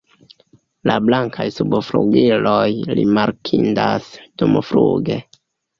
La blankaj subflugiloj rimarkindas dumfluge.